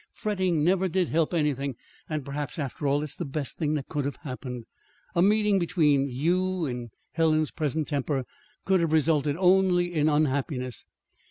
Fretting never did help anything, and perhaps, after all, it's the best thing that could have happened. A meeting between you, in Helen's present temper, could have resulted only in unhappiness.